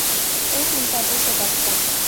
এই তিন কাজেই সে দক্ষ।